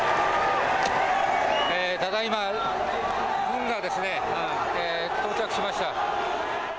ただいま、軍がですね到着しました。